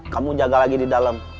kamu jaga lagi di dalam